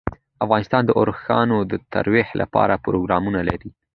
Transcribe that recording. افغانستان د اوښانو د ترویج لپاره پروګرامونه لري.